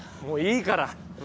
もういいから。